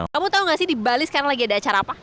kamu tau gak sih di bali sekarang lagi ada acara apa